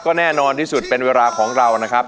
ก็แน่นอนที่สุดเป็นเวลาของเรานะครับ